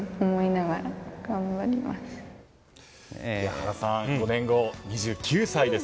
原さん、５年後、２９歳です。